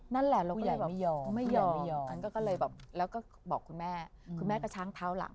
นั่นแหละเราก็เลยบอกไม่ยอมแล้วก็บอกคุณแม่คุณแม่ก็ช้างท้าหลัง